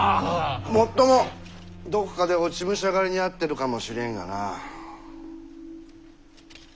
もっともどこかで落ち武者狩りに遭ってるかもしれんがな。